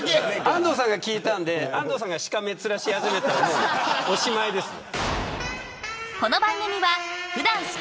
安藤さんが聞いたのに安藤さんがしかめっ面し始めたらおしまいですよ。